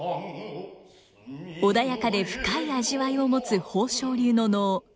穏やかで深い味わいを持つ宝生流の能。